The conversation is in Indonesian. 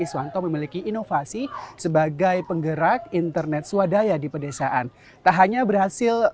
iswanto memiliki inovasi sebagai penggerak internet swadaya di pedesaan tak hanya berhasil